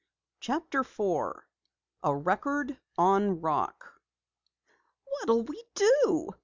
CHAPTER 4 A RECORD ON ROCK "What'll we do?"